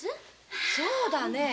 そうだね！